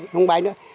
cúng bái nữa